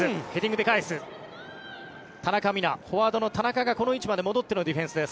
田中美南、フォワードの田中がこの位置まで戻ってのディフェンスです。